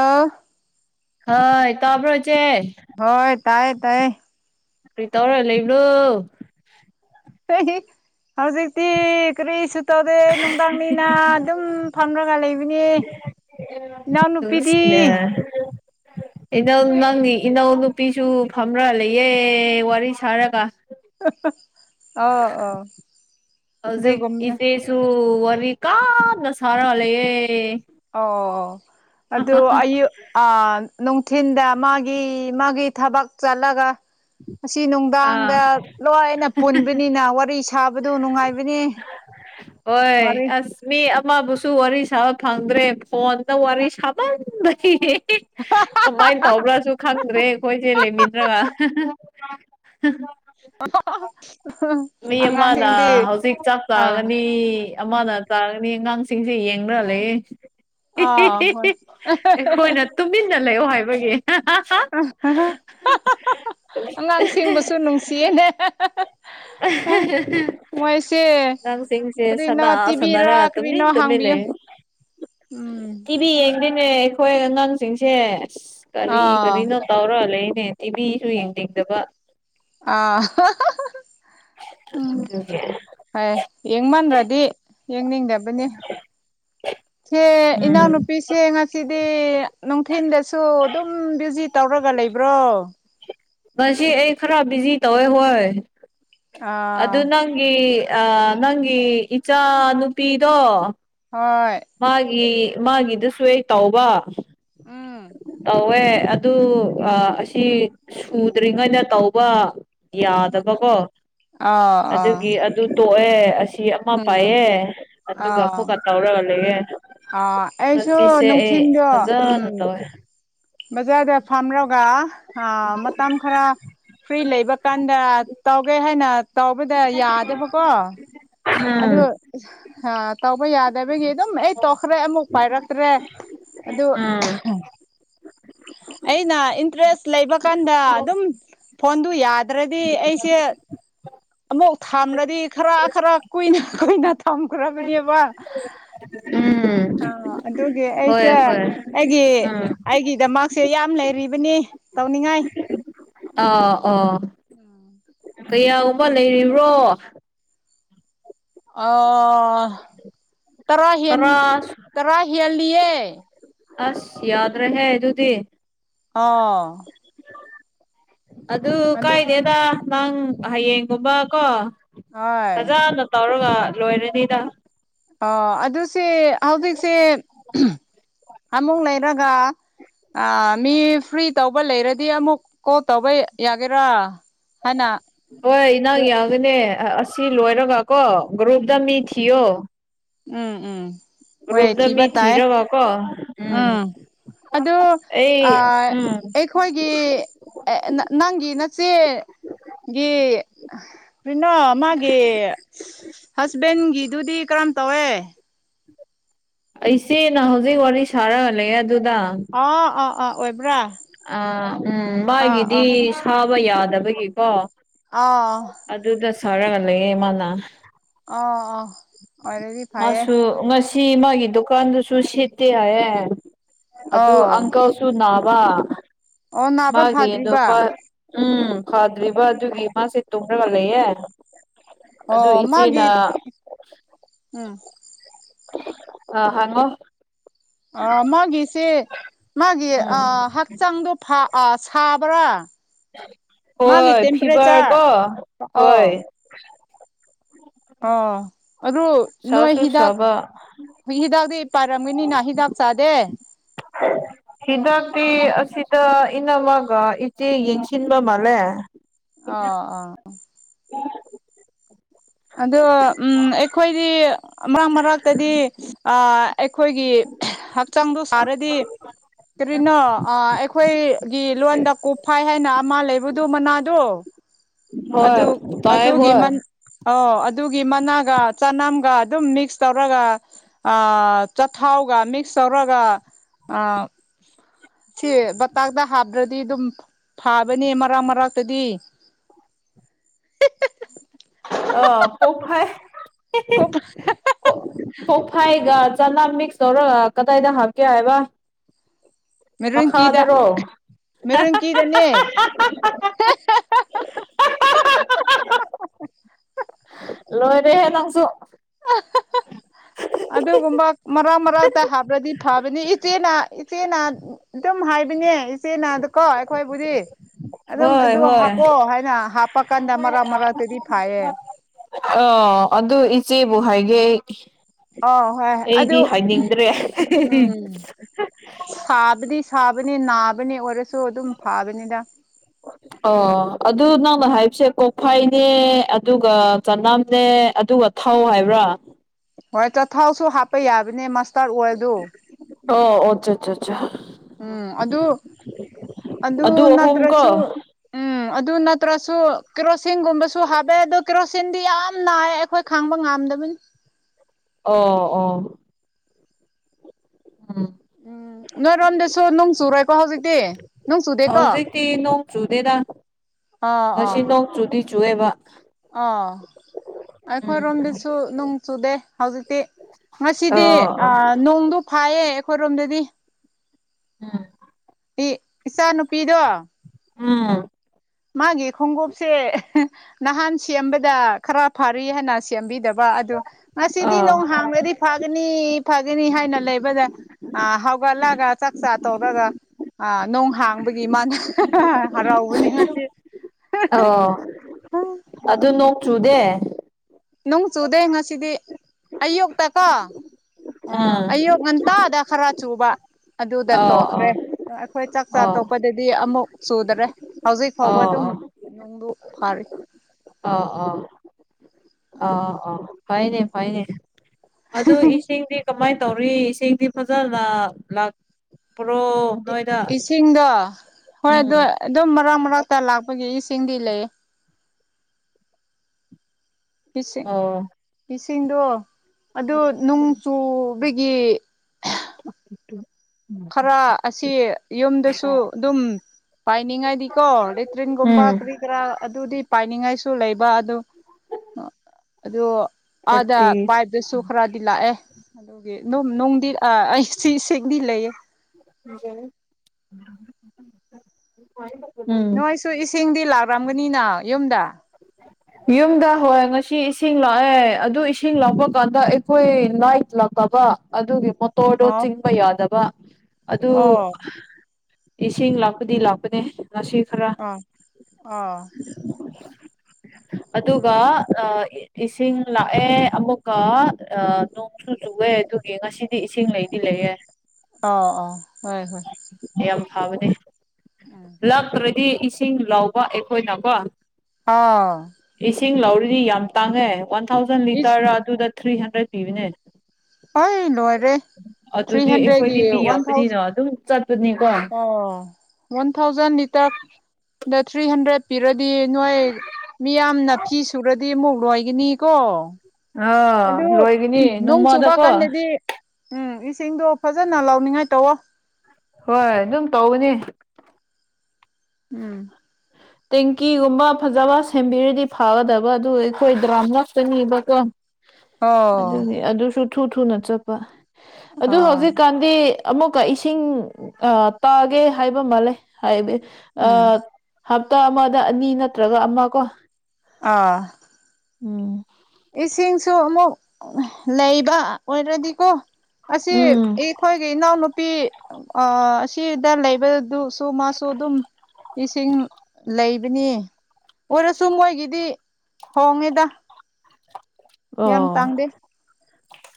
ꯑ ꯍꯣꯏ ꯇꯕ꯭ꯔꯣ ꯏꯆꯦ ꯍꯣꯏ ꯇꯥꯏꯌꯦ ꯇꯥꯏꯌꯦ ꯀꯔꯤ ꯇꯧꯔ ꯂꯩꯕ꯭ꯔꯣ ꯍꯧꯖꯤꯛꯇꯤ ꯀꯔꯤꯁꯨ ꯇꯧꯗꯦ ꯅꯨꯡꯗꯥꯡꯅꯤꯅ ꯑꯗꯨꯝ ꯐꯝꯔꯒ ꯂꯩꯕꯅꯤ ꯏꯅꯥꯎ ꯅꯨꯄꯤꯗꯤ ꯏꯅꯧ ꯅꯪꯒꯤ ꯏꯅꯧ ꯅꯨꯄꯤꯁꯨ ꯐꯝꯔ ꯂꯩꯌꯦ ꯋꯥꯔꯤ ꯁꯥꯔꯒ [unintelligible] ꯑꯣ ꯍꯧꯖꯤꯛ ꯑꯗꯨꯒꯨꯝꯅ ꯏꯆꯦ ꯇꯨ ꯋꯥꯔꯤ ꯀꯥꯥꯟꯅ ꯁꯔ ꯂꯩꯌꯦ ꯑꯣ ꯑꯗꯨ ꯑꯌꯨꯛ ꯑ ꯅꯨꯡꯊꯤꯟꯗ ꯃꯥꯒꯤ ꯃꯥꯒꯤ ꯊꯕꯛ ꯆꯠꯂꯒ ꯑꯁꯤ ꯑꯥ ꯅꯨꯡꯗꯥꯡꯗ ꯂꯣꯏꯅ ꯄꯨꯟꯕꯅꯤꯅ ꯋꯥꯔꯤ ꯁꯥꯕꯗꯨ ꯅꯨꯡꯉꯥꯏꯕꯅꯤ ꯑꯣꯏ ꯋꯥꯔꯤ ꯑꯁ ꯃꯤ ꯑꯃꯕꯨꯁꯨ ꯋꯥꯔꯤ ꯁꯥꯕ ꯐꯪꯗ꯭ꯔꯦ ꯐꯣꯟꯗ ꯋꯥꯔꯤ ꯁꯥꯃꯟꯕꯩ ꯀꯃꯥꯏꯅ ꯇꯧꯕ꯭ꯔꯥꯁꯨ ꯈꯪꯗ꯭ꯔꯦ ꯑꯩꯈꯣꯏꯁꯦ ꯂꯩꯃꯤꯟꯅꯔꯒ [inaudible] [inaudible] ꯃꯤ ꯑꯃꯅ ꯑꯉꯥꯡꯁꯤꯡꯗꯤ ꯍꯧꯖꯤꯛ ꯆꯥꯛ ꯑꯥ ꯆꯥꯒꯅꯤ ꯑꯃꯅ ꯇꯥꯔꯒꯅꯤ ꯑꯉꯥꯡꯁꯤꯡꯁꯦ ꯌꯦꯡꯔ ꯂꯩꯌꯦ ꯑꯥ ꯍꯣꯏ ꯑꯩꯈꯣꯏꯅ ꯇꯨꯃꯤꯟꯅ ꯂꯩꯑꯣ ꯍꯥꯏꯕꯒꯤ ꯑꯉꯥꯡꯁꯤꯡꯕꯁꯨ ꯅꯨꯡꯁꯤꯌꯦꯅꯦ [unintelligible] ꯃꯣꯏꯁꯦ ꯑꯉꯥꯡꯁꯤꯡꯁꯦ ꯀꯔꯤꯅꯣ ꯁꯥꯟꯅ ꯇꯤꯕꯤꯔ ꯁꯥꯟꯅꯔꯒ ꯀꯔꯤꯅꯣ ꯇꯨꯃꯤꯟ ꯇꯨꯃꯤꯟ ꯍꯥꯡꯕꯤꯌꯨ ꯂꯩ ꯎꯝ ꯑꯗꯨꯅꯦ ꯑꯩꯈꯣꯏ ꯑꯉꯥꯡꯁꯤꯡꯁꯦ ꯑꯁ ꯀꯔꯤ ꯑꯥ ꯀꯔꯤꯅꯣ ꯇꯧꯔꯛꯂꯦ ꯏꯅꯦ ꯇꯤꯚꯤꯁꯨ ꯌꯦꯡꯅꯤꯡꯗꯕ ꯑ [unintelligible] ꯍꯣꯏ ꯌꯦꯡꯃꯟꯔꯗꯤ ꯌꯦꯡꯅꯤꯡꯗꯕꯅꯤ ꯁꯦ ꯎꯝ ꯏꯅꯥꯎꯅꯨꯄꯤ ꯅꯨꯄꯤꯁꯦ ꯉꯁꯤꯗꯤ ꯅꯨꯡꯊꯤꯟꯗꯁꯨ ꯑꯗꯨꯝ ꯕꯤꯖꯤ ꯇꯧꯔꯒ ꯂꯩꯕ꯭ꯔꯣ ꯉꯁꯤ ꯑꯩ ꯈꯔ ꯕꯤꯖꯤ ꯇꯧꯋꯦ ꯍꯣꯏ ꯑꯥ ꯑꯗꯨ ꯅꯪꯒꯤ ꯅꯪꯒꯤ ꯏꯆꯥ ꯅꯨꯨꯄꯤꯗꯣ ꯍꯣꯏ ꯃꯥꯒꯤ ꯃꯥꯒꯤꯗꯨꯁꯨ ꯑꯩ ꯇꯧꯕ ꯎꯝ ꯇꯧꯋꯦ ꯑꯗꯨ ꯑꯁꯤ ꯁꯨꯗ꯭ꯔꯤꯉꯩꯗ ꯇꯧꯕ ꯌꯥꯗꯕꯀꯣ ꯑꯥ ꯑꯥ ꯑꯗꯨꯒꯤ ꯑꯗꯨ ꯇꯣꯛꯑꯦ ꯑꯁꯤ ꯃ ꯎꯝ ꯄꯥꯏꯌꯦ ꯑꯗꯨꯒ ꯑꯥ ꯑꯃꯨꯛꯀ ꯇꯧꯔꯒ ꯂꯩꯌꯦ ꯑꯥ ꯑꯩꯁꯨ ꯉꯁꯤꯁꯦ ꯑꯩ ꯅꯨꯡꯊꯤꯟꯗꯣ ꯐꯖꯅ ꯎꯝ ꯇꯧꯋꯦ ꯕꯖꯥꯔꯗ ꯐꯥꯝꯔꯒ ꯃꯇꯝ ꯈꯔ ꯐ꯭ꯔꯤ ꯂꯩꯕꯀꯥꯟꯗ ꯇꯧꯒꯦ ꯍꯥꯏꯅ ꯇꯧꯕꯗ ꯌꯥꯗꯕꯀꯣ ꯑꯗꯨ ꯎꯝ ꯑ ꯇꯧꯕ ꯌꯥꯗꯕꯒꯤ ꯑꯗꯨꯝ ꯑꯩ ꯇꯣꯛꯈ꯭ꯔꯦ ꯑꯃꯨꯛ ꯄꯥꯏꯔꯛꯇ꯭ꯔꯦ ꯑꯗꯨ ꯎꯝ ꯑꯩꯅ ꯏꯟꯇ꯭ꯔꯦꯁ ꯂꯩꯕ ꯀꯥꯟꯗ ꯑꯗꯨꯝ ꯐꯣꯟꯗꯨ ꯌꯥꯗ꯭ꯔꯗꯤ ꯑꯩꯁꯦ ꯑꯃꯨꯛ ꯊꯥꯝꯂꯗꯤ ꯈꯔ ꯈꯔ ꯀꯨꯏꯅ ꯀꯨꯏꯅ ꯊꯝꯈ꯭ꯔꯕꯅꯦꯕ ꯎꯝ ꯑ ꯑꯗꯨꯒꯤ ꯍꯣꯏ ꯑꯩꯁꯦ ꯍꯣꯏ ꯑꯩꯒꯤ ꯎꯝ ꯑꯩꯒꯤꯗꯃꯛꯁꯦ ꯌꯥꯝ ꯂꯩꯔꯤꯕꯅꯤ ꯇꯧꯅꯤꯡꯉꯥꯏ ꯑꯥ ꯑꯥ ꯀꯌꯥꯒꯨꯝꯕ ꯂꯩꯔꯤꯕ꯭ꯔꯣ ꯑꯣ ꯇꯔꯥ ꯍꯦꯟ ꯇꯔꯥ ꯇꯔꯥ ꯍꯦꯜꯂꯤꯌꯦ ꯑꯁ ꯌꯥꯗ꯭ꯔꯦꯍꯦ ꯑꯗꯨꯗꯤ ꯑꯣ ꯑꯗꯨ ꯀꯥꯏꯗꯦꯗ ꯅꯪ ꯍꯌꯦꯡꯒꯨꯝꯕ ꯀꯣ ꯐꯖꯅ ꯍꯣꯏ ꯐꯖꯅ ꯇꯧꯔꯒ ꯂꯣꯏꯔꯅꯤꯗ ꯑꯣ ꯑꯗꯨ ꯁꯤ ꯍꯧꯖꯤꯛꯁꯦ ꯑꯃꯨꯛ ꯂꯩꯔꯒ ꯑꯥ ꯃꯤ ꯐ꯭ꯔꯤ ꯇꯧꯕ ꯂꯩꯔꯗꯤ ꯑꯃꯨꯛ ꯀꯣꯜ ꯇꯧꯕ ꯌꯥꯒꯦꯔꯥ ꯍꯥꯏꯅ ꯍꯣꯏ ꯏꯅꯧ ꯌꯥꯕꯅꯦ ꯑꯁꯤ ꯂꯣꯏꯔꯒ ꯀꯣ ꯒ꯭ꯔꯨꯞꯇ ꯎꯝ ꯃꯤ ꯊꯤꯌꯣ ꯎꯝ ꯎꯝ ꯍꯣꯏ ꯒ꯭ꯔꯨꯞꯗ ꯊꯤꯕ ꯃꯤ ꯇꯥꯏ ꯊꯤꯔꯒ ꯀꯣ ꯎꯝ ꯑꯗꯨ ꯑꯩ ꯑꯥ ꯎꯝ ꯑꯩꯈꯣꯏꯒꯤ ꯅꯪꯒꯤ ꯅꯆꯦ ꯒꯤ ꯀꯔꯤꯅꯣ ꯃꯥꯒꯤ ꯍꯁꯕꯦꯟꯒꯤꯗꯨꯗꯤ ꯀꯔꯝ ꯇꯧꯋꯦ ꯑꯩꯆꯦꯅ ꯍꯧꯖꯤꯛ ꯋꯥꯔꯤ ꯁꯥꯔꯒ ꯂꯩꯌꯦ ꯑꯗꯨꯗ ꯑꯥ ꯑꯥ ꯑꯥ ꯑꯣꯏꯕ꯭ꯔꯥ ꯑ ꯎꯝ ꯑꯥ ꯑꯥ ꯃꯥꯒꯤꯗꯤ ꯁꯥꯕ ꯌꯥꯗꯕꯒꯤꯀꯣ ꯑꯥ ꯫ ꯑꯗꯨꯗ ꯁꯔꯒ ꯂꯩꯌꯦ ꯃꯥꯅꯥ꯫ ꯑꯥ ꯑꯥ꯫ ꯑꯣꯏꯔꯗꯤ ꯐꯩꯌꯦ ꯃꯥꯁꯨ ꯉꯁꯤ ꯃꯥꯒꯤ ꯗꯨꯀꯥꯟꯗꯨꯁꯨ ꯁꯤꯠꯇꯦ ꯍꯥꯏꯌꯦ ꯫ ꯑꯗꯨ ꯑꯧ ꯑꯪꯀꯜꯁꯨ ꯅꯥꯕ ꯑꯣ ꯅꯥꯕ ꯃꯥꯒꯤ ꯐꯥꯗ꯭ꯔꯤꯕ ꯅꯨꯄꯥ ꯫ ꯎꯝ ꯐꯥꯗ꯭ꯔꯤꯕ ꯑꯗꯨꯒꯤ ꯃꯥꯁꯦ ꯇꯨꯝꯔꯒ ꯂꯩꯌꯦ ꯫ ꯑꯗꯨ ꯑꯣ ꯏꯆꯦꯅ꯫ ꯃꯥꯒꯤ ꯎꯝ ꯑ ꯍꯪꯉꯣ꯫ ꯑ ꯃꯥꯒꯤꯁꯤ ꯃꯥꯒꯤ ꯑ ꯎꯝ ꯍꯛ꯫ ꯆꯪꯗꯣ ꯐꯥ ꯑ ꯁꯥꯕ꯭ꯔꯥ꯫ ꯃꯥꯒꯤ ꯍꯣꯏ ꯐꯤꯚꯔ ꯇꯦꯝꯄ꯭ꯔꯦꯆꯔ ꯀꯣ ꯑꯣ ꯍꯣꯏ ꯑꯣ ꯑꯗꯨ ꯅꯣꯏ ꯁꯥꯁꯨ ꯍꯤꯗꯥꯛ ꯁꯥꯕ ꯍꯤꯗꯥꯛꯇꯤ ꯄꯥꯔꯝꯒꯅꯤꯅ ꯍꯤꯗꯥꯛ ꯆꯥꯗꯦ [unintelligible] ꯍꯤꯗꯥꯛꯇꯤ ꯑꯁꯤꯗ ꯏꯅꯝꯃꯒ ꯏꯆꯦ ꯌꯦꯡꯁꯤꯟꯕ ꯃꯥꯜꯂꯦ ꯑꯣ ꯑꯣ [unintelligible] ꯑꯗꯣ ꯎꯝ ꯑꯩꯈꯣꯏꯗꯤ ꯃꯔꯛ ꯃꯔꯛꯇꯗꯤ ꯑꯥ ꯑꯩꯈꯣꯏꯒꯤ ꯍꯛꯆꯥꯡꯗꯨ ꯁꯥꯔꯗꯤ ꯀꯔꯤꯅꯣ ꯑꯩꯈꯣꯏꯒꯤ ꯂꯣꯟꯗ ꯀꯨꯞꯐꯥꯏ ꯍꯥꯏꯅ ꯑꯃ ꯂꯩꯕꯗꯨ ꯃꯅꯥꯗꯣ ꯍꯣꯏ ꯇꯥꯏ ꯍꯣꯏ ꯑꯣ ꯑꯗꯨꯒꯤ ꯃꯅꯥꯒ ꯆꯅꯝꯒ ꯑꯗꯨꯝ ꯃꯤꯛꯁ ꯇꯧꯔꯒ ꯑꯥ ꯆꯥꯊꯥꯎꯒ ꯃꯤꯛꯁ ꯇꯧꯔꯒ ꯑꯥ ꯁꯤ ꯕꯇꯥꯛꯇ ꯍꯥꯞꯇ꯭ꯔꯗ ꯗꯤ ꯑꯗꯨꯝ ꯐꯥꯕꯅꯦ ꯃꯔꯛ ꯃꯔꯛꯇꯗꯤ ꯑꯣ ꯄꯣꯛꯐꯥꯏ ꯀꯣꯛ ꯀꯣꯛꯐꯥꯏꯒ ꯆꯅꯝ ꯃꯤꯛꯁ ꯇꯧꯔꯒ ꯀꯗꯥꯏꯗ ꯍꯥꯞꯀꯦ ꯍꯥꯏꯕ ꯃꯦꯔꯨꯟꯀꯤꯗ ꯃꯈꯥꯗꯔꯣ ꯃꯦꯔꯨꯟꯀꯤꯗꯅꯦ ꯂꯣꯏꯔꯦꯍꯦ ꯅꯪꯁꯨ ꯑꯗꯨꯒꯨꯝꯕ ꯃꯔꯥꯛ ꯃꯔꯥꯛꯛꯇ ꯍꯥꯞꯔꯗꯤ ꯐꯕꯅꯤ ꯏꯆꯦꯅ ꯏꯆꯦꯅ ꯗꯨꯝ ꯍꯥꯏꯕꯅꯦ ꯏꯆꯦꯅ ꯑꯗꯨꯀꯣ ꯑꯩꯈꯣꯏꯕꯨꯗꯤ ꯑꯗꯨꯝ ꯍꯣꯏ ꯑꯗꯨ ꯍꯣꯏ ꯍꯥꯞꯄꯣ ꯍꯥꯏꯅ ꯍꯥꯞꯄꯀꯥꯟꯗ ꯃꯔꯛ ꯃꯔꯛꯇꯗꯤ ꯐꯥꯏꯌꯦ ꯑ ꯑꯗꯨ ꯏꯆꯦꯕꯨ ꯍꯥꯏꯒꯦ ꯑꯩ ꯑꯧ ꯍꯣꯏ ꯑꯗꯨ ꯑꯩꯗꯤ ꯍꯥꯏꯅꯤꯡꯗ꯭ꯔꯦ ꯎꯝ [unintelligible] ꯁꯥꯕꯗꯤ ꯁꯥꯕꯅꯤ ꯅꯥꯕꯅꯦ ꯑꯣꯏꯔꯁꯨ ꯑꯗꯨꯝ ꯐꯥꯕꯅꯤꯗ [inaudible] ꯑꯣ ꯑꯗꯨ ꯅꯪꯅ ꯍꯥꯏꯕꯁꯦ ꯀꯣꯛꯐꯥꯏꯅꯦ ꯑꯗꯨꯒ ꯆꯅꯝꯅꯦ ꯑꯗꯨꯒ ꯊꯧ ꯍꯥꯏꯕ꯭ꯔꯥ ꯍꯣꯏ ꯆꯊꯥꯎꯁꯨ ꯍꯥꯞꯄ ꯌꯥꯕꯅꯦ ꯃꯁꯇꯥꯔꯠ ꯑꯣꯏꯜꯗꯨ ꯑꯣ ꯑꯣ ꯆꯠ ꯆꯠ ꯆꯥ ꯎꯝ ꯑꯗꯨ ꯑꯗꯨ ꯑꯍꯨꯝ ꯀꯣ ꯅꯠꯇ꯭ꯔꯁꯨ ꯎꯝ [inaudible] ꯑꯗꯨ ꯅꯠꯇ꯭ꯔꯁꯨ ꯀꯦꯔꯣꯁꯤꯟꯒꯨꯝꯕꯁꯨ ꯍꯥꯞꯄꯦ ꯑꯗꯨ ꯀꯦꯔꯣꯁꯤꯟꯗꯤ ꯌꯥꯝ ꯅꯥꯏ ꯑꯩꯈꯣꯏ ꯈꯥꯡꯕ ꯉꯝꯗꯕꯅꯤ ꯑꯣ ꯑꯣ ꯎꯝ ꯎꯝ ꯅꯣꯏꯔꯣꯝꯗꯁꯨ ꯅꯨꯡ ꯆꯨꯔꯣꯏꯀꯣ ꯍꯧꯖꯤꯛꯇꯤ ꯅꯣꯡ ꯆꯨꯗꯦꯀꯣ ꯍꯧꯖꯤꯛꯇꯤ ꯅꯣꯡ ꯆꯨꯗꯦꯗ ꯑꯥ ꯉꯁꯤ ꯅꯣꯡ ꯆꯨꯗꯤ ꯆꯨꯑꯦꯕ ꯑ ꯎꯝ ꯑꯩꯈꯣꯏꯔꯣꯝꯗꯁꯨ ꯅꯨꯡ ꯆꯨꯗꯦ ꯍꯧꯖꯤꯛꯇꯤ ꯉꯁꯤꯗꯤ ꯑꯣ ꯑ ꯑꯣ ꯅꯣꯡꯗꯨ ꯐꯥꯏꯌꯦ ꯑꯩꯈꯣꯏꯔꯣꯝꯗꯗꯤ ꯎꯝ ꯏ ꯏꯆꯥꯅꯨꯨꯄꯤꯗꯣ ꯎꯝ ꯃꯥꯒꯤ ꯈꯣꯡꯎꯞꯁꯦ ꯅꯍꯥꯟ ꯁꯦꯝꯕꯗ ꯈꯔ ꯐꯔꯤ ꯍꯥꯏꯅ ꯁꯦꯝꯕꯤꯗꯕ ꯑꯗꯨ ꯉꯁꯤꯗꯤ ꯑꯣ ꯅꯣꯡ ꯍꯥꯡꯂꯗꯤ ꯐꯒꯅꯤ ꯐꯒꯅꯤ ꯍꯥꯏꯅ ꯂꯩꯕꯗ ꯑ ꯍꯧꯒꯠꯂꯒ ꯆꯥꯛ ꯆꯥ ꯇꯧꯔꯒ ꯑ ꯅꯣꯡ ꯍꯥꯡꯕꯒꯤ ꯃꯥꯅ ꯍꯔꯥꯎꯕꯅꯤ ꯉꯁꯤ ꯑꯣ ꯑꯗꯨ ꯅꯣꯡ ꯆꯨꯗꯦ ꯅꯨꯡ ꯆꯨꯗꯦ ꯉꯁꯤꯗꯤ ꯑꯌꯨꯛꯇ ꯀꯣ ꯑ ꯎꯝ ꯑꯌꯨꯛ ꯉꯟ ꯇꯥꯗ ꯈꯔ ꯆꯨꯕ ꯑꯗꯨꯗ ꯑꯣ ꯇꯣꯛꯈ꯭ꯔꯦ ꯑꯣ ꯑꯩꯈꯣꯏ ꯆꯥꯛ ꯆꯥ ꯑꯣ ꯇꯣꯛꯄꯗ ꯗꯤ ꯑꯃꯨꯛ ꯆꯨꯗꯔꯦ ꯍꯧꯖꯤꯛ ꯑꯣ ꯐꯥꯎꯕ ꯑꯣ ꯑꯗꯨꯝ ꯅꯨꯡꯗꯨ ꯐꯥꯔꯤ ꯑ ꯑ ꯑ ꯎꯝ ꯑ ꯐꯩꯅꯦ ꯐꯩꯅꯦ ꯑꯗꯨ ꯏꯁꯤꯡꯗꯤ ꯀꯃꯥꯏ ꯇꯧꯔꯤ ꯏꯁꯤꯡꯗꯤ ꯐꯖꯅ ꯂꯥꯛꯄ꯭ꯔꯣ ꯏ ꯅꯣꯏꯗ ꯏꯁꯤꯡꯗꯣ ꯍꯣꯏ ꯑꯗꯨ ꯎꯝ ꯑꯗꯨꯝ ꯃꯔꯛ ꯃꯔꯛꯇ ꯂꯥꯛꯄꯒꯤ ꯏꯁꯤꯡꯗꯤ ꯂꯩ ꯏꯁꯤꯡ ꯑꯣ ꯏꯁꯤꯡꯗꯣ ꯑꯗꯨ ꯅꯨꯡ ꯆꯨꯕꯒꯤ [unintelligible] ꯈꯔ ꯑꯁꯤ ꯌꯨꯝꯗꯁꯨ ꯑꯗꯨꯝ ꯄꯥꯏꯅꯤꯡꯉꯥꯏꯗꯤꯀꯣ ꯂꯦꯇ꯭ꯔꯤꯟꯒꯨꯝꯕ ꯎꯝ ꯀ꯭ꯔꯤ ꯀ꯭ꯔꯥ ꯑꯗꯨꯗꯤ ꯄꯥꯏꯅꯤꯡꯉꯥꯏꯁꯨ ꯂꯩꯕ ꯑꯗꯨ ꯑ ꯑꯗꯨ ꯑꯥꯗ ꯊꯥꯔꯇꯤ ꯄꯥꯏꯞꯇꯁꯨ ꯈꯔꯥ ꯗꯤ ꯂꯥꯛꯑꯦ ꯑꯗꯨꯒꯤ ꯅꯨꯡ ꯅꯨꯡꯗꯤ ꯑ ꯑꯩ ꯁꯤ ꯁꯤꯡꯗꯤ ꯂꯩꯌꯦ [unintelligible] ꯅꯣꯏꯁꯨ ꯏꯁꯤꯡꯗꯤ ꯂꯥꯛꯔꯝꯒꯅꯤꯅ ꯌꯨꯝꯗ ꯌꯨꯝꯗ ꯍꯣꯏ ꯉꯁꯤ ꯏꯁꯤꯡ ꯂꯥꯛꯑꯦ ꯑꯗꯨ ꯏꯁꯤꯡ ꯂꯥꯛꯄ ꯀꯥꯟꯗ ꯑꯩꯈꯣꯏ ꯂꯥꯏꯠ ꯂꯥꯛꯇꯕ ꯑꯗꯨꯒꯤ ꯃꯣꯇꯣꯔꯗꯣ ꯑꯣ ꯆꯤꯡꯕ ꯌꯥꯗꯕ ꯑꯗꯨ ꯑꯣ ꯏꯁꯤꯡ ꯂꯥꯛꯄꯗꯤ ꯂꯥꯛꯄꯅꯦ ꯉꯁꯤ ꯈꯔ ꯑ ꯑ ꯑꯗꯨꯒ ꯎꯝ ꯑ ꯏꯁꯤꯡ ꯂꯥꯛꯑꯦ ꯑꯃꯨꯛꯀ ꯑ ꯅꯣꯡꯁꯨꯨ ꯆꯨꯑꯦ ꯑꯗꯨ ꯒꯤ ꯉꯁꯤꯗꯤ ꯏꯁꯤꯡ ꯂꯩꯗꯤ ꯂꯩꯌꯦ ꯑꯣ ꯑꯣꯥ ꯍꯣꯏ ꯍꯣꯏ ꯌꯥꯝ ꯐꯕꯅꯦ ꯎꯝ ꯂꯥꯛꯇ꯭ꯔꯗꯤ ꯏꯁꯤꯡ ꯂꯥꯎꯕ ꯑꯩꯈꯣꯏꯅꯀꯣ ꯑꯥ ꯏꯁꯤꯡ ꯂꯧꯔꯗꯤ ꯌꯥꯝ ꯇꯥꯡꯉꯦ ꯋꯥꯟ ꯊꯥꯎꯖꯟ ꯏꯁ ꯂꯤꯇꯔ ꯑꯗꯨꯗ ꯊ꯭ꯔꯤ ꯍꯟꯗ꯭ꯔꯦꯠ ꯄꯤꯕꯅꯦ ꯑꯩ ꯂꯣꯏꯔꯦ ꯊ꯭ꯔꯤ ꯑꯗꯨꯗꯤ ꯍꯟꯗ꯭ꯔꯦꯠꯒꯤ ꯑꯩꯈꯣꯏꯗꯤ ꯃꯤ ꯋꯥꯟ ꯌꯥꯝꯕꯅꯤꯅ ꯊꯥꯎꯖꯟ ꯑꯗꯨꯝ ꯆꯠꯄꯅꯤꯀꯣ ꯑꯣ ꯋꯥꯟ ꯊꯥꯎꯖꯟ ꯂꯤꯇꯔ ꯗ ꯊ꯭ꯔꯤ ꯍꯟꯗ꯭ꯔꯦꯗ ꯄꯤꯔꯗꯤ ꯅꯣꯏ ꯃꯤꯌꯥꯝꯅ ꯐꯤ ꯁꯨꯔꯗꯤ ꯑꯃꯨꯛ ꯂꯣꯏꯒꯤꯅꯤꯀꯣ ꯑꯥ ꯑꯗꯨ ꯂꯣꯏꯒꯅꯤ ꯅꯣꯡ ꯆꯨꯕ ꯅꯣꯡꯃꯗꯀꯣ ꯀꯥꯟꯗꯗꯤ ꯎꯝ ꯏꯁꯤꯡꯗꯣ ꯐꯖꯅ ꯂꯥꯎꯅꯤꯡꯉꯥꯏ ꯇꯧꯋꯣ ꯍꯣꯏ ꯑꯗꯨꯝ ꯇꯧꯕꯅꯤ ꯎꯝ [unintelligible] ꯇꯦꯡꯀꯤꯒꯨꯝꯕ ꯐꯖꯕ ꯁꯦꯝꯕꯤꯔꯗꯤ ꯐꯥꯒꯗꯕ ꯑꯗꯨ ꯑꯩꯈꯣꯏ ꯗ꯭ꯔꯥꯝ ꯉꯥꯛꯇꯅꯤꯕꯀꯣ ꯑꯣ ꯑꯗꯨꯅꯤ ꯑꯗꯨꯁꯨ ꯊꯨ ꯊꯨꯅ ꯆꯠꯄ ꯑꯗꯨ ꯑꯥ ꯍꯧꯖꯤꯛꯀꯥꯟ ꯗꯤ ꯑꯃꯨꯛꯀ ꯏꯁꯤꯡ ꯇꯥꯒꯦ ꯍꯥꯏꯕ ꯃꯥꯜꯂ‌ꯦ ꯍꯥꯏꯕꯤ ꯑ ꯎꯝ ꯍꯞꯇꯥ ꯑꯃꯗ ꯑꯅꯤ ꯅꯠꯇ꯭ꯔꯒ ꯑꯃ ꯀꯣ ꯑꯥ ꯎꯝ ꯏꯁꯤꯡꯁꯨ ꯑꯃꯨꯛ ꯂꯩꯕ ꯑꯣꯏꯔꯗꯤꯀꯣ ꯑꯁꯤ ꯏ ꯎꯝ ꯑꯩꯈꯣꯏꯒꯤ ꯏꯅꯥꯎꯅꯨꯄꯤ ꯑ ꯑꯁꯤꯗ ꯂꯩꯕꯗꯨꯁꯨ ꯃꯥꯁꯨ ꯑꯗꯨꯝ ꯏꯁꯤꯡ ꯂꯩꯕꯅꯤ ꯑꯣꯏꯔꯁꯨ ꯃꯣꯏꯒꯤꯗꯤ ꯍꯣꯡꯉꯦꯗ ꯌꯥꯝ ꯑꯣ ꯇꯥꯡꯗꯦ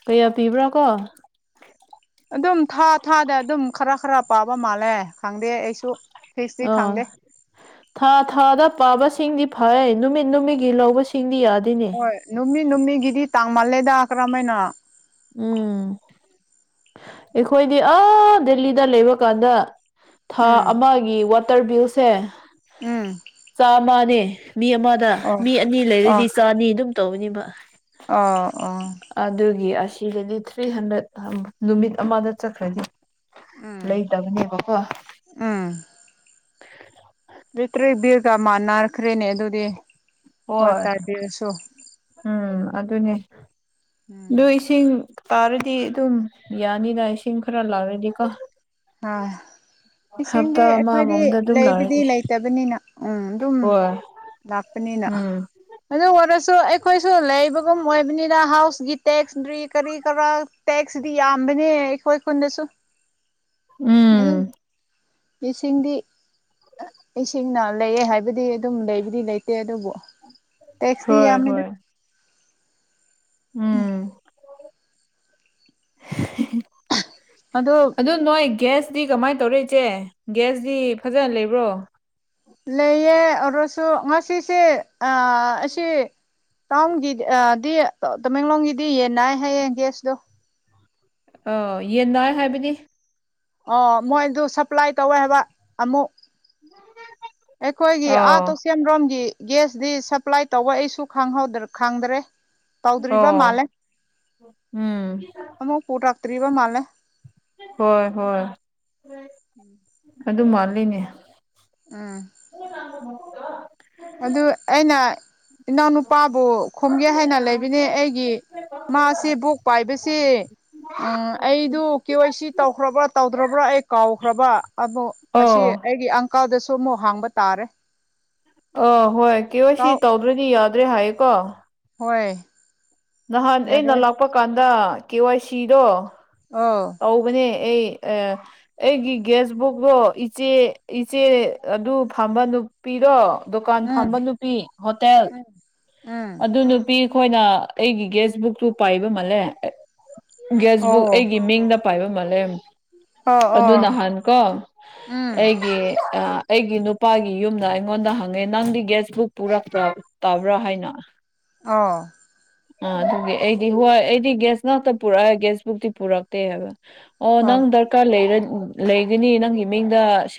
ꯀꯌꯥ ꯄꯤꯕ꯭ꯔꯥ ꯀꯣ ꯑꯗꯨꯝ ꯊꯥ ꯊꯥꯗ ꯑꯗꯨꯝ ꯈꯔ ꯈꯔ ꯄꯥꯕ ꯃꯥꯜꯂꯦ ꯈꯪꯗꯦ ꯑꯩꯁꯨ ꯐꯤꯛꯁꯇꯤ ꯑꯣ ꯈꯪꯗꯦ ꯊꯥ ꯊꯥꯗ ꯄꯥꯕꯁꯤꯡꯗꯤ ꯐꯥꯏꯌ‌ꯦ ꯅꯨꯃꯤꯠ ꯅꯨꯃꯤꯠꯒꯤ ꯂꯧꯕꯁꯤꯡꯗꯤ ꯌꯥꯗ‌ꯦꯅꯤ ꯍꯣꯏ ꯅꯨꯃꯤ ꯅꯨꯃꯤꯒꯤꯗꯤ ꯇꯥꯡ ꯃꯥꯜꯂꯦꯗ ꯀꯔꯝꯃꯥꯏꯅ ꯎꯝ ꯑꯩꯈꯣꯏꯗꯤ ꯑꯥ ꯗꯦꯜꯂꯤꯗ ꯂꯩꯕ ꯀꯥꯟꯗ ꯊꯥ ꯎꯝ ꯑꯃꯒꯤ ꯋꯥꯇꯔ ꯕꯤꯜꯁꯦ ꯎꯝ ꯆꯥꯃꯅꯦ ꯃꯤ ꯑꯃꯗ ꯑꯣ ꯃꯤ ꯑꯅꯤ ꯂꯩꯔꯗꯤ ꯆꯥꯅꯤ ꯑꯗꯨꯝ ꯇꯧꯕꯅꯦꯕ ꯑꯥ ꯑꯣ ꯑꯗꯨꯒꯤ ꯑꯁꯤꯗꯗꯤ ꯊ꯭ꯔꯤ ꯍꯟꯗ꯭ꯔꯦꯠ ꯅꯨꯃꯤꯠ ꯑꯃꯗ ꯆꯠꯈ꯭ꯔꯅꯤ ꯎꯝ ꯂꯩꯇꯕꯅꯦꯕꯀ‌ꯣ ꯎꯝ ꯂꯤꯇ꯭ꯔꯦ ꯗ‌ꯦꯒ ꯃꯥꯟꯅꯔꯈ꯭ꯔꯦꯅꯦ ꯑꯗꯨꯗꯤ ꯍꯣꯏ ꯋꯥꯇꯔ ꯕꯤꯜꯁꯨ ꯎꯝ ꯑꯗꯨꯅꯦ ꯎꯝ ꯑꯗꯨ ꯏꯁꯤꯡ ꯇꯥꯔꯗꯤ ꯑꯗꯨꯝ ꯌꯥꯅꯤꯗ ꯏꯁꯤꯡ ꯈꯔ ꯂꯥꯛꯔꯗꯤꯀꯣ ꯑ ꯏꯁꯤꯡꯗꯤ ꯍꯞꯇꯥ ꯑꯩꯈꯣꯏꯗꯤ ꯑꯃꯒꯨꯝꯕꯗ ꯑꯗꯨꯝ ꯂꯩꯕꯨꯗꯤ ꯂꯧꯔꯅꯤ ꯂꯩꯇꯕ ꯅꯤꯅ ꯎꯝ ꯑꯗꯨꯝ ꯍꯣꯏ ꯂꯥꯛꯄꯅꯤꯅ ꯎꯝ ꯑꯗꯨ ꯑꯣꯏꯔꯁꯨ ꯑꯩꯈꯣꯏꯁꯨ ꯂꯩꯕꯒꯨꯝ ꯑꯣꯏꯕꯅꯤꯅ ꯍꯥꯎꯁꯀꯤ ꯇꯦꯛꯁꯇ꯭ꯔꯤ ꯀꯔꯤ ꯀꯔꯥ ꯇꯦꯛꯁꯗꯤ ꯌꯥꯝꯕꯅꯦ ꯑꯩꯈꯣꯏ ꯈꯨꯨꯟꯗꯁꯨ ꯎꯝ [unintelligible] ꯏꯁꯤꯡꯗꯤ ꯏꯁꯤꯡꯅ ꯂꯩꯌꯦ ꯍꯥꯏꯕꯗꯤ ꯑꯗꯨꯝ ꯂꯩꯕꯗꯤ ꯂꯩꯇꯦ ꯑꯗꯨꯕꯨ ꯇꯦꯛꯁꯇꯤ ꯍꯣꯏ ꯌꯥꯝꯃꯦꯗ ꯍꯣꯏ ꯎꯝ ꯑꯗꯣ ꯑꯗꯨ ꯅꯣꯏ ꯒ꯭ꯌꯥꯁꯇꯤ ꯀꯃꯥꯏꯟ ꯇꯧꯔ‌ꯦ ꯏꯆꯦ ꯒ꯭ꯌꯥꯁꯇꯤ ꯐꯖꯅ ꯂꯩꯕ꯭ꯔꯣ ꯂꯩꯌꯦ ꯑꯣꯏꯔꯁꯨ ꯉꯁꯤꯁꯦ ꯑꯥ ꯑꯁꯤ ꯇꯥꯎꯟꯒꯤ ꯑꯥ ꯗꯤ ꯇꯃꯦꯡꯂꯣꯡꯒꯤꯗꯤ ꯌꯦꯟꯅꯥꯏ ꯍꯥꯏꯌꯦ ꯒ꯭ꯌꯥꯁꯇꯣ ꯑꯣ ꯌꯦꯟ ꯅꯥꯏ ꯍꯥꯏꯕꯗꯤ ꯑꯣ ꯃꯣꯏꯗꯨ ꯁꯄ꯭ꯂꯥꯏ ꯇꯧꯋꯦ ꯍꯥꯏꯕ ꯑꯃꯨꯛ [unintelligible] ꯑꯩꯈꯣꯏꯒꯤ ꯑꯥ ꯑꯧ ꯇꯣꯁꯦꯝꯔꯣꯝꯒꯤ ꯒ꯭ꯌꯥꯁꯗꯤ ꯁꯄ꯭ꯂꯥꯏ ꯇꯧꯕ ꯑꯩꯁꯨ ꯈꯪꯍꯧꯗ꯭ꯔ‌ ꯈꯪꯗ꯭ꯔꯦ ꯇꯧꯗ꯭ꯔꯤꯕ ꯑꯣ ꯃꯥꯜꯂꯦ ꯎꯝ ꯑꯃꯨꯛ ꯄꯨꯔꯛꯇ꯭ꯔꯤꯕ ꯃꯥꯜꯂꯦ ꯍꯣꯏ ꯍꯣꯏ ꯑꯗꯨ ꯃꯥꯜꯂꯤꯅꯦ ꯎꯝ ꯑꯗꯨ ꯑꯩꯅ ꯏꯅꯥꯎꯅꯨꯄꯥꯕꯨ ꯈꯣꯝꯒꯦ ꯍꯥꯏꯅ ꯂꯩꯕꯅꯦ ꯑꯩꯒꯤ ꯃꯥꯁꯦ ꯕꯣꯛ ꯄꯥꯏꯕꯁꯦ ꯎꯝ ꯑꯩꯗꯨ ꯀꯦ ꯋꯥꯏ ꯁꯤ ꯇꯧꯈ꯭ꯔꯕ꯭ꯔꯥ ꯇꯧꯗ꯭ꯔꯕ꯭ꯔꯥ ꯑꯩ ꯀꯥꯎꯈ꯭ꯔꯕ ꯑꯗꯣ ꯑꯁꯤ ꯑꯣ ꯑꯩꯒꯤ ꯑꯪꯀꯥꯜꯗꯁꯨ ꯑꯃꯨꯛ ꯍꯥꯡꯕ ꯇꯥꯔꯦ ꯑ ꯍꯣꯏ ꯀꯦ ꯋꯥꯏ ꯁꯤ ꯇꯥꯎ ꯇꯧꯗ꯭ꯔꯗꯤ ꯌꯥꯗ꯭ꯔꯦ ꯍꯥꯏꯌꯦꯀꯣ ꯍꯣꯏ ꯅꯍꯥꯟ ꯑꯩꯅ ꯌꯥꯔꯦ ꯂꯥꯛꯄ ꯀꯥꯟꯗ ꯀꯦ ꯋꯥꯏ ꯁꯤꯗꯣ ꯑꯣ ꯍꯧꯕꯅꯦ ꯑꯩ ꯑꯥ ꯑꯩꯒꯤ ꯒ꯭ꯌꯥꯁ ꯕꯨꯛꯇꯣ ꯏꯆꯦ ꯏꯆꯦ ꯑꯗꯨ ꯐꯝꯕ ꯅꯨ ꯄꯤꯗ‌ꯣ ꯗꯨꯀꯥꯟ ꯎꯝ ꯐꯝꯕ ꯅꯨꯄꯤ ꯍꯣꯇꯦꯜ ꯎꯝ ꯎꯝ ꯑꯗꯨ ꯅꯨꯄꯤ ꯈꯣꯏꯅ ꯑꯩꯒꯤ ꯒꯦꯁ ꯕꯨꯛꯇꯨ ꯄꯥꯏꯕ ꯃꯥꯜꯂꯦ ꯒ꯭ꯌꯥꯁ ꯕꯨꯛ ꯑꯣ ꯑꯩꯒꯤ ꯃꯤꯡꯅ ꯄꯥꯏꯕ ꯃꯥꯜꯂꯦꯝ ꯑꯣ ꯑꯗꯨ ꯑꯣ ꯅꯍꯥꯟ ꯀꯣ ꯎꯝ ꯑꯩꯒꯤ ꯑꯩꯒꯤ ꯅꯨꯄꯥꯒꯤ ꯌꯨꯝꯅ ꯑꯩꯉꯣꯟꯗ ꯍꯪꯉꯦ ꯅꯪꯗꯤ ꯒ꯭ꯌꯥꯁ ꯕꯨꯛ ꯄꯨꯔꯛꯇ꯭ꯔ ꯇꯕ꯭ꯔꯥ ꯍꯥꯏꯅ ꯑꯣ [inaudible] ꯑꯥ ꯑꯗꯨꯒꯤ ꯑꯩꯗꯤ ꯍꯣꯏ ꯑꯩꯗꯤ ꯒ꯭ꯌꯥꯁ ꯉꯥꯛꯇ ꯄꯨꯔꯛꯑꯦ ꯒ꯭ꯌꯥꯁꯕꯨꯛꯇꯤ ꯄꯨꯔꯛꯇꯦ ꯍꯥꯏꯕ ꯑꯣ ꯅꯪ ꯗꯔꯀꯥꯔ ꯂꯩꯔ ꯂꯩꯒꯅꯤ ꯅꯪꯒꯤ ꯃꯤꯡꯗ ꯁ